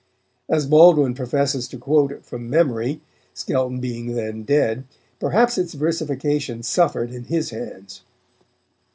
As Baldwin professes to quote it from memory, Skelton being then dead, perhaps its versification suffered in his hands.